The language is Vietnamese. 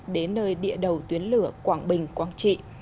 đến nơi địa đầu tuyến lửa quảng bình quảng trị